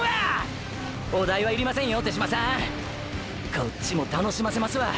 こっちも楽しませますわ！